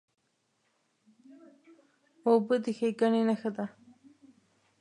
اوبه د ښېګڼې نښه ده.